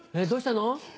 どうしたの？